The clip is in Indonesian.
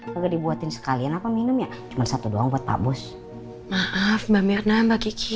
juga dibuatin sekalian apa minumnya cuma satu doang buat pak bos maaf mbak mirna mbak kiki